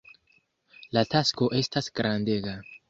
La tasko estas grandega.